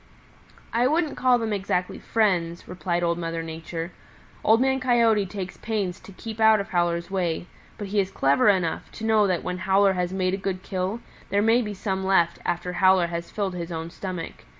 "I wouldn't call them exactly friends," replied Old Mother Nature. "Old Man Coyote takes pains to keep out of Howler's way, but he is clever enough to know that when Howler has made a good kill there may be some left after Howler has filled his own stomach.